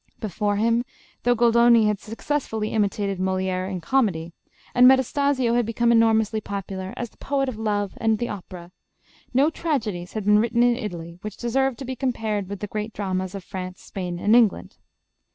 Before him though Goldoni had successfully imitated Molière in comedy, and Metastasio had become enormously popular as the poet of love and the opera no tragedies had been written in Italy which deserved to be compared with the great dramas of France, Spain, and England.